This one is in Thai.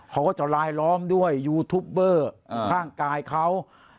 เขาก็จะลายล้อมด้วยยูทูปเบอร์ข้างกายเขา